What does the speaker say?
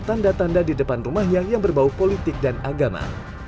tanda tanda di depan rumahnya yang berbau politik dan agama